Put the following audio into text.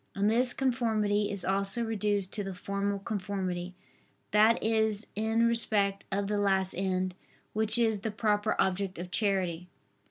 And this conformity is also reduced to the formal conformity, that is in respect of the last end, which is the proper object of charity.